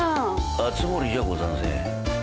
熱護じゃござんせん。